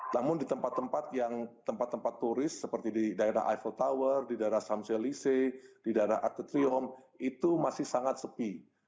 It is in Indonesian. namun di tempat tempat yang tempat tempat turis seperti di daerah iphole tower di daerah samselise di daerah artetrium itu masih sangat sepi